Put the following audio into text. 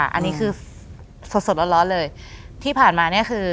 อันนี้คือสดสดร้อนเลยที่ผ่านมาเนี่ยคือ